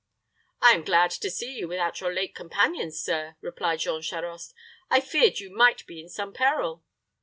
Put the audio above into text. "I am glad to see you without your late companions, sir," replied Jean Charost. "I feared you might be in some peril."